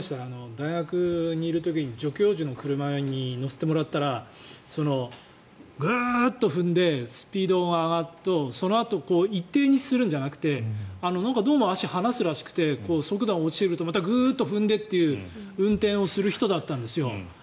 大学にいる時に助教授の車に乗せてもらったらグーッと踏んでスピードが上がるとそのあと一定にするんじゃなくてどうも足を離すらしくて速度が落ちるとまたグーッと踏んでという運転をする人だったんですよ。